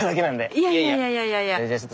いやいやいやいやいや。